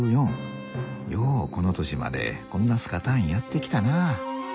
「ようこの歳までこんなすかたんやってきたなあ」。